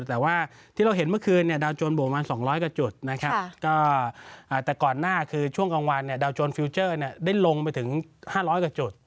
แต่ว่าที่เราเห็นเมื่อคืนเนี่ย